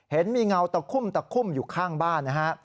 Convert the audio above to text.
เห็นมีเงาตะคุ่มตะคุ่มอยู่ข้างบ้านนะฮะ